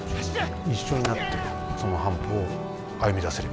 一緒になってその半歩を歩みだせればなと。